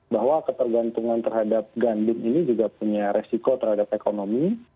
bahwa ketergantungan terhadap gandum ini juga punya resiko terhadap ekonomi